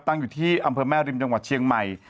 ตั้งอยู่ที่อำเภอแม่ริมจังหวัดเชียงใหม่